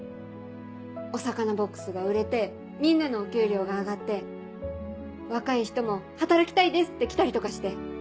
お魚ボックスが売れてみんなのお給料が上がって若い人も「働きたいです」って来たりとかして。